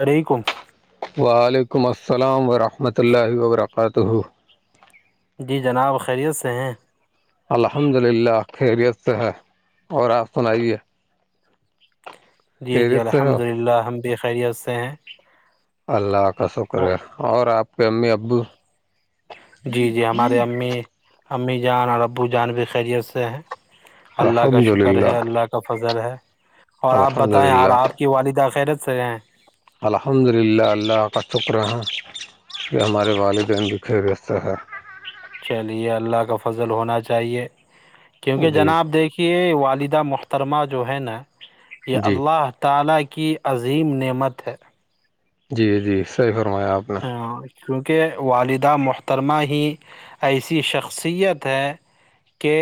اسلام علیکم وعلیکم السلام ورحمۃ اللہ وبرکاتہ جی جناب خیریت سے ہیں الحمد للہ خیریت سے ہے اور آپ سنائیے جی جی خیریت سے ہو الحمد للہ ہم بھی خیریت سے ہیں اللہ کا شکر وہ- ہے اور آپ کے امی ابو جی جی ہمارے امی امی جان اور ابو جان بھی خیریت سے ہیں اللہ کا الحمد شکر للہ ہے اللہ کا کا فضل ہے اور آپ الحمد بتائیں للہ آپ کی والدہ خیریت سے ہیں الحمد للہ اللہ کا شکر ہیں کہ ہمارے والدین بھی خیریت سے ہیں چلیے اللہ کا فضل ہونا چاہیے کیونکہ جی جناب دیکھیے کہ والدہ محترمہ جو ہے نا یہ جی اللہ تالا کی عظیم نعمت ہے جی جی صحیح فرمایا آپ نے ہاں کیونکہ والدہ محترمہ ہی ایسی شخصیت ہے کہ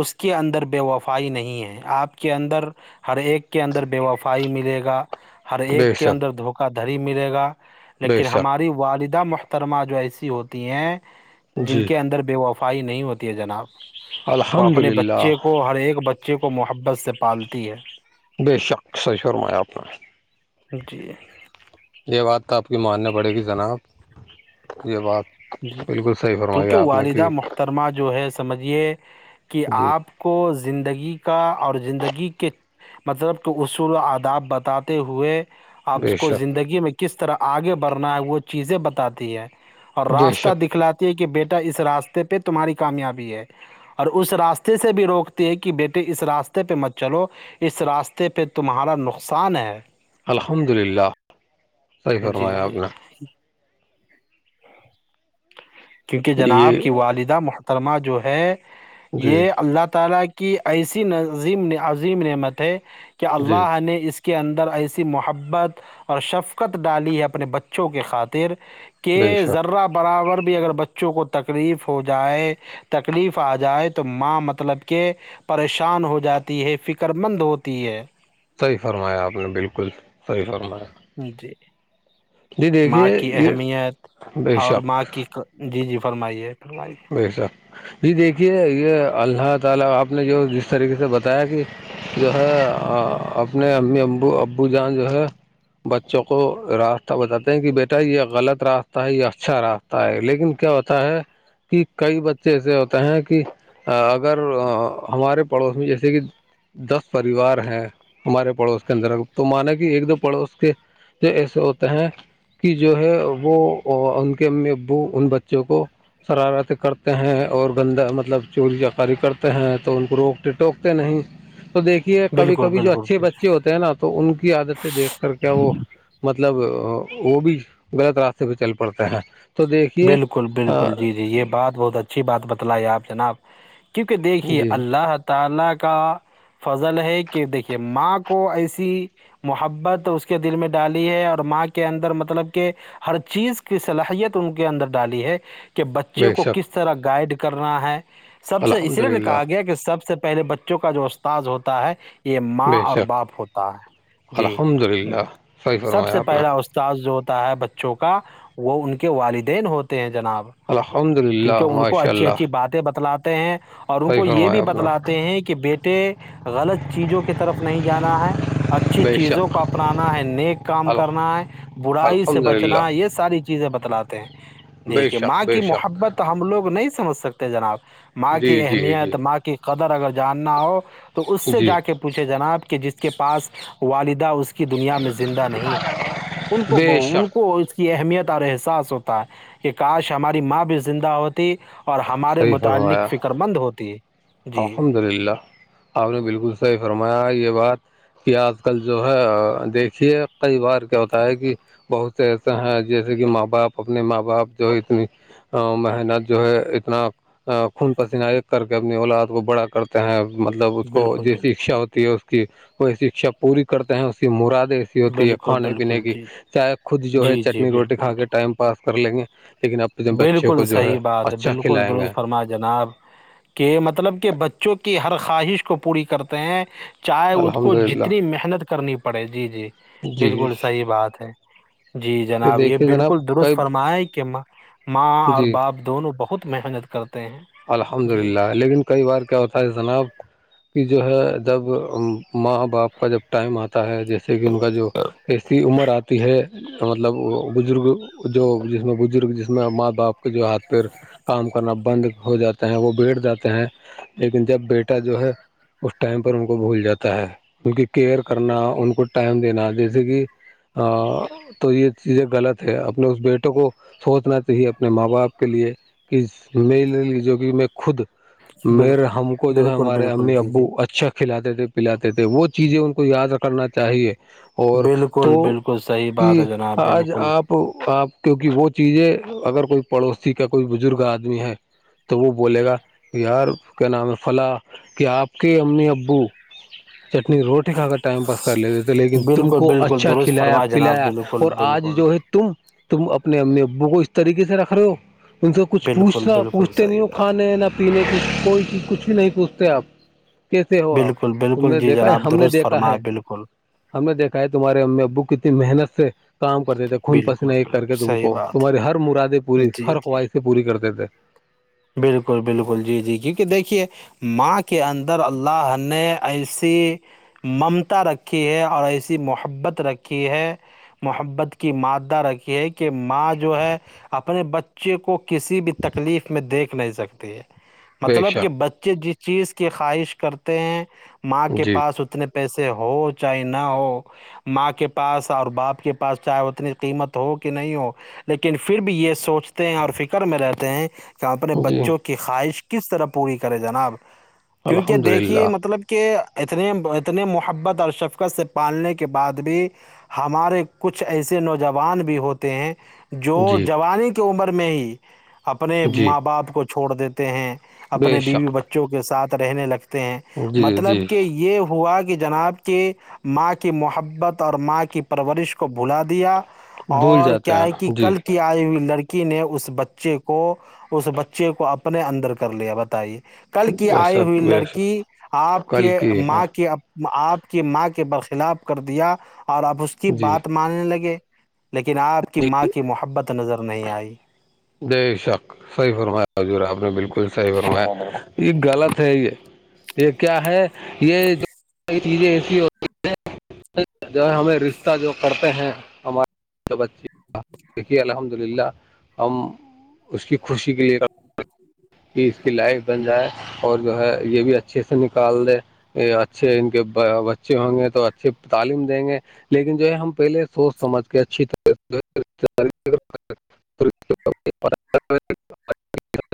اس کے اندر بے وفائی نہیں ہے آپ کے اندر ہر ایک کے اندر بے وفائی ملے گا ہر بے ایک کے اندر شک دھوکہ دھڑی ملے گا بے لیکن شک ہماری والدہ مخ ترما جو ایسی ہوتی ہیں جی جن کے اندر بے وفائی نہیں ہوتی ہے جناب وہ الحمد اپنے للہ بچے کو ہر ایک بچے کو محبت سے پالتی ہے بے شک سہی فرمایا آپ نے جی یہ بات تو آپ کی ماننی پڑے گی جناب یہ بات جی بالکل صحیح کیونکہ فرمایا آپ نے کہ والدہ محترمہ جو ہے سمجھیے کہ جی آپ کو زندگی کا اور زندگی کے مطلب کہ اصول و آداب بتاتے ہوئے بے آپ کو شک زندگی میں کس طرح آگے بڑھنا ہے وہ چیزیں بتاتی ہے اور بے راستہ شک دکھلاتی ہے کہ بیٹا اس راستے پہ تمہاری کامیابی ہے اور اس راستے سے بھی روکتی ہے کہ بیٹے اس راستے پہ مت چلو اس راستے پہ تمہارا نقصان ہے الحمد للہ صحیح جی فرمایا جی آپ نے کیونکہ جناب یہ کی والدہ محترمہ جو ہے جی یہ اللہ تعالی ایسیظ عظیم نعمت ہے کہ جی اللہ نے اس کی کے اندر ایسی محبت اور شفقت ڈالی ہے اپنے بچوں کی خاطر کہ کہ بے شک ذرہ برابر بھی اگر بچوں کو تکلیف ہو جائے تکلیف آ جائے تو ماں مطلب کہ پریشان ہو جاتی ہے فکر مند ہوتی ہے صحیح فرمایا آپ نے بالکل صحیح فرمایا جی جی دیکھیے ماں کی یہ اہمیت بے اور شک ماں کی جی جی فرمائیے فرمائی وہی سا جی دیکھیے یہ اللہ تعالی آپ نے جو جس طریقے سے بتایا کہ جو ہے اپنے امی ابو ابو جان جو ہے بچوں کو راستہ بتاتے ہیں کہ بیٹا یہ غلط راستہ ہے یہ اچھا راستہ تا ہے لیکن کیا ہوتا ہے کہ کئی بچے ایسے ہوتے ہیں کہ اگر ہمارے پڑوس میں جیسے کہ دس پریوار ہیں ہمارے پڑوس کے اندر تو مانا کہ ایک دو پڑوس کے جو ایسے ہوتے ہیں کہ جو ہے وہ ان کے امی ابو ان بچوں کو شرارتیں کرتے ہیں اور گندہ مطلب چوری جکاری کرتے ہیں تو ان کو روکتے ٹوکتے نہیں تو دیکھیے کبھی بالکل کبھی جو بالکل اچھے جی بچے ہوتے ہیں نا تو ان کی عادتیں دیکھ کر کیا وہ مطلب وہ بھی غلط راستے پہ چل پڑتے ہیں تو دیکھیے بالکل بالکل جی جی یہ بات بہت اچھی بات بتلائی آپ جناب کیونکہ دیکھیے جی اللہ تالیا کا فضل ہے کہ دیکھیے ماں کو ایسی محبت اس کے دل میں ڈالی ہے اور ماں کے اندر مطلب کہ ہر چیز کی صلاحیت ان کے اندر ڈالی ہے کہ بچے بے کو کس شک طرح گائڈ کرنا ہے سب سے اس الحمد لیے للہ کہا گیا کہ سب سے پہلے بچوں کا جو استاذ ہوتا ہے یہ ماں بے اور شک باپ ہوتا ہے جی الحمد للہ صحیح سب فرمایا سے آپ نے پہلا اس ا سس جو ہوتا ہے بچوں کا وہ ان کے والدین ہوتے ہیں جناب الحمد للہ کیونکہ ان کو ماشاء اچھی اللہ اچھی باتیں بتلاتے ہیں اور ان صحیح کو یہ فرمایا بھی آپ نے بتلاتے ہیں کہ بیٹے غلط چیزوں کی طرف نہیں جانا ہے اچھی بے چیزوں شک کو اپنانا ہے نیک کام کرنا ہے برائی سے الحمد للہ بچنا ہے یہ ساری چیزیں بتلاتے ہیں بے دیکھیے شک ماں بے کی شک محبت تو ہم لوگ نہیں سمجھ سکتے جناب ماں جی کی جی جی اہمیت ماں کی قدر اگر جاننا ہو تو اس سے جی جا کے پوچھے جناب کہ جس کے پاس والدہ اس کے دنیا میں زندہ نہیں ان کو بے ب ان شک کو اس کی اہمیت اور ای ساس ہوتا ہے کہ کاش ہماری ماں بھی زندہ ہوتی اور ہمارے صحیح فرمایا متعلق فکر سر مند ہوتی ہے الحمد للہ آپ نے بالکل صحیح فرمایا یہ بات کہ آج کل جو ہے دیکھیے کئی بار کیا ہوتا ہے کہ بہت سے ایسے ہیں جیسے کہ ماں باپ اپنے ماں باپ جو اتنی محنت جو ہے اتنا خون پسینہ ایک کر کے اپنی اولاد کو بڑا کرتے ہیں مطلب اس کو بالکل جیسے بالکل اچھا ہوتی اس کی وہ شکچھا پوری کرتے ہیں اس کی مرادیں ہوتی ہے بالکل کھانے پینے بالکل کی جی جی چاہے خود جو ہے جی جی چٹنی روٹی بالکل کھا کے ٹائم پاس کر لیں گے لیکن اپنے بچوں بالکل کو جو صحیح بات ہے اچھا بالکل د کھلائیں گے فرما جناب کہ مطلب کہ بچوں کی ہر خواہش کو پوری کرتے ہیں چائےے اس الحمد کو للہ جتنی محنت کرنی پڑے جی جی جی بالکل صحیح بات ہے جی جناب یہ دیکھیے جناب بالکل درست کئی فرمائے کہ ماں اور جی باپ دونوں بہت محنت کرتے ہیں الحمد جی للہ لیکن کئی بار کیا ہوتا ہے جناب کہ جو ہے جب ماں باپ کا جب ٹائم آتا ہے جیسے کہ ان کا جو ایسی عمر آتی ہے مطلب وہ بزرگ جو جس میں بزرگ جس میں ماں باپ جو ہاتھ پیر کام کرنا بند ہو جاتے ہیں وہ بیٹھ جاتے ہیں لیکن جب بیٹا جو ہے اس ٹائم پر ان کو بھول جاتا ہے کیہ کیئر کرنا ان کو ٹائم دینا جیسے کہ ہاں تو یہ چیزیں غلط ہے اپنے اس بیٹے کو سوچنا چاہیے اپنے ماں باپ کے لیے ک میل [unintelligible] ے لی جو کہ میں خود میرے بالکل ہم کو جو ہے بالکل ہمارے بالکل امی جی ابو جی اچھا کھلاتے تھے پلاتے تھے وہ چیزیں ان کو یاد کرنا چاہیے اور تو بالکل بالکل صحیح بات کہ ہے جناب آج بالکل آپ آپ کیوںکہ وہ چیزیں اگر کوئی پڑوسی کا کوئی بزرگ آدمی ہے تو وہ بولے گا یار کیا نام ہے فلاں کہ آپ کے امی ابو چٹنی روٹی کھا کر ٹائم پاس کر لیتے تھے لیکن تم بالکل کو بالکل اچھا درست کھلایا فرما جناب پلایا بالکل اور آج بالکل جو ہے تم تم اپنے امی ابو کو اس طریقے سے رکھ رہے ہو ان سے کچھ بالکل پوچھنا بالکل پوچھتے نہیں صحیح ہو بات کھانے نہ پینے کچھ کوئی چیز کچھ بھی نہیں پوچھتے آپ کیسے ہو آپ بالکل تم بالکل نے جی دیکھا ہے جناب ہم نے درست دیکھا فرما ہے بالکل ہم نے دیکھا ہے تمہارے امی ابوک اتنی محنت سے کام کرتے تھے خون پسن بالکل ایک کر کے بالکل تم صحیح کو بات تمہاری ہر مرادیں ہے پوری جی ہر جی خواہش سے پوری کرتے تھے بالکل بالکل جی جی کیونکہ دیکھیے ماں کے اندر اللہ نے ایسی ممتا رکھی ہے اور ایسی محبت رکھی ہے محبت کی مادہ رکھی ہے کہ ماں جو ہے اپنے بچ چے کو کسی بھی تکلیف میں دیکھ نہیں سکتے ہیں بے مطلب کہ شک بچے جس چیز کی خواہش کرتے ہیں ماں کے جی پاس اتنے پیسے ہو چاہے نہ ہو ماں کے پاس اور باپ آپ کے پاس چاہے اتنی قیمت ہو کہ نہیں ہو لیکن پھر بھی یہ سوچتے ہیں اور فکر میں رہتے ہیں کہ اپنے جی بچوں کی خواہش کس طرح پوری کرے جناب کیونکہ الحمد دیکھیے للہ مطلب کہ اتنے اتنے محبت اور شفقت سے پالنے کے بعد بھی ہمارے کچھ ایسے نوجوان بھی ہوتے ہیں جو جی جوانی کی عمر میں ہی اپنے جی ماں باپ کو چھوڑ دیتے ہیں بے اپنے بیوی شک بچوں کے ساتھ رہنے لگتے ہیں جی مطلب جی کہ یہ ہوا کہ جناب کی کے ماں کی محبت اور ماں کی پرورش کو بھلا دیا بھول اور جاتے کیا ہیں ہے کہ جی کل کی آئی ہوئی لڑکی ی نے اس بچے کو اس بچے کو اپنے اندر کر لیا بتائیے کل کی آئی جیسا ہوئی بے شک لڑکی آپ کل کے کی ہے ماں کی آپ کی ماں کے برخلاف کر دیا اور اب اس کی جی بات ماننے لگے لیکن آپ کی ماں کی محبت نظر نہیں آئی جے شک صحیح فرمایا حضور آپ نے بالکل صحی فرمایا یہ غلط ہے یہ یہ کیا ہے یہ چیزیں ایسی ہوتی ہیں جو ہے ہمیں رشتہ جو کرتے ہیں ہمارے دیکھیے الحمد للہ ہم اس کی خوشی کے لیے [inaudible] کہ اس کی لائف بن جائے اور جو ہے یہ بھی اچھے سے نکال دے یہ اچھے ان کے بچے ہوں گے تو اچھے تعلیم دیں گے لیکن جو ہے ہم پہلے سوچ سمجھ کے اچھی طرح سے [inaudible]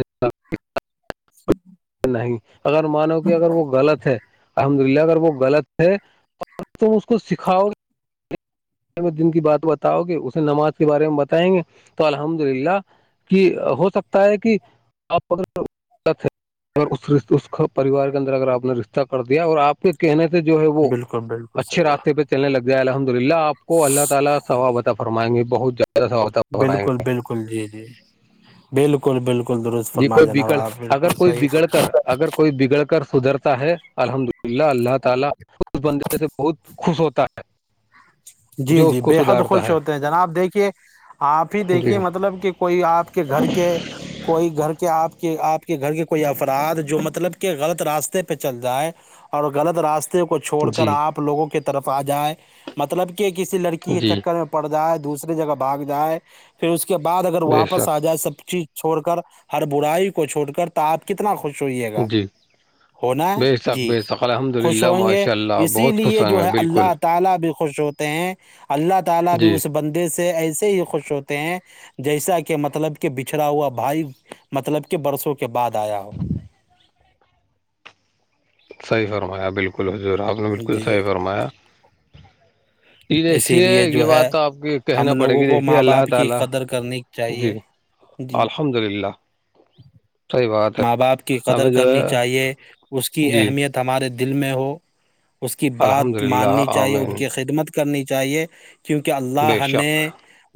ہ [inaudible] اچھ [inaudible] نہیں اگر مانو کہ اگر وہ غلط ہے الحمد للہ اگر وہ غط ہے تم اس کو سکھاؤ گے [inaudible] دن کی بات بتاؤ گے اسے نماز کے بارے میں بتائیں گے تو الحمد للہ کہ ہو سکتا ہے کہ آپ ا ہے اس اس پریوار کے اندر اگر آپ نے رشتہ کر دیا اور آپ [inaudible] کہنے سے جو ہے وہ بالکل بالکل اچھے صحیح بات راستے پہ چلنے لگ جائے الحمد للہ آپ کو اللہ تعالی واابت فرمائیں گے بہت زیادہ و بالکل بالکل جی جی بالکل بالکل درست جی فرما کوئی جناب بگڑ آپ اگر بالکل کوئی صحیح بگڑ کر اگر کوئی بگڑ کر سدھرتا ہے الحمدلہ اللہ اللہ تعالی اس بندے سے بہت خوش ہوتا ہے [inaudible] جی جو اس جی کو بےحد سدھارتا خوش ہے ہوتے ہیں جناب دیکھیے آپ ہی جی دیکھیے مطلب کہ کوئی آپ کے گھر کے کوئی گھر کے آپ کے آپ کے گھر کے کوئی افراد جو مطلب کہ غلط راستے پہ چل جائے اور غط راست کو چھوڑ کر جی آپ لوگوں کی طرف آ جائیں مطلب کہ کسی لڑکی کے جی چکر میں پڑ جائے دوسری جگہ بھاگ جائے پھر اس کے بعد اگر بے واپس شک آ جائے سب چیز چھوڑ کر ہر برائی کو چھوڑ کر تو آپ کتنا خوش ہوئیے گا جی ہونا ہے بے شک جی بے شک الحمد خوش للہ ہوں گے ماشاء اللہ اسی بہت خوش لیے ہوں جو گے ہے بالکل اللہ تعالی بھی خوش اللہ تعالی بھی جی اس بندے سے ایسے ہی خوش ہوتے ہیں جیسا کہ مطلب کہ بچھڑا ہوا بھائی مطلب کہ برسوں کے بعد آیا ہو [inaudible] صحیح فرمایا بالکل حضور آپ نے بالکل جی صحیح فرمایا یہ اسی دیکھیے لیے یہ جو ہے بات تو آپ کی ہم کہنا پڑے لوگوں گی کو دیکھیے ماں اللہ باپ کی تعالیٰ قدر کرنی چاہیے جی حلہ [inaudible] ماں باپ کی ہے قدر ہمیں جو کرنی ہے چاہیے اس کی جی اہمیت ہمارے دل میں ہو اس کی الحمد بات للہ ماننی چاہیے ان آمین کی خدمت کرنی چاہیے کیونکہ بے اللہ نے شک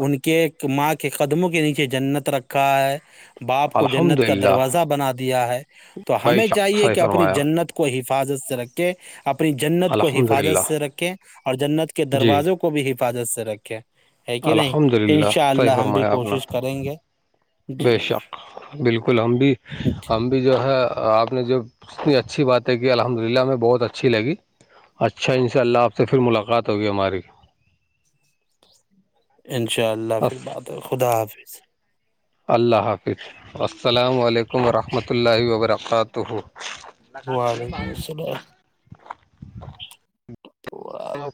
ان کے ماں کے قدموں کے نیچے جنت رکھا ہے باپ کو الحمد جنت کا للہ دروازہ بنا دیا ہے تو بھائی ہمیں شک چاہیے صحیح کہ اپنی فرمایا جنت کو حفاظت سے رکھ کے اپنی جنت کو الحمد حفاظت للہ سے رکھیں اور جنت کے جی دروازوں کو بھی حفاظت سے رکھیں ہے کہ نہیں الحمد للہ انشاء صحیح اللہ ہم بھی فرمایا آپ نے کوشش کریں گے بے جی شک بالکل ہم بھی ہم بھی بھی جو ہے آپ نے جو اتنی اچھی باتیں کی الحمد للہ ہمیں بہت اچھی لگی اچھا ان شاء اللہ آپ سے پھر ملاقات ہوگی ہماری انشاء اللہ پھر اس- بات ہے خدا حافظ اللہ حافظ السلام علیکم ورحمۃ اللہ وبرکاتہ وعلیکم السلام تو [inaudible]